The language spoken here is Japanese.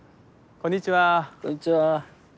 こんにちは。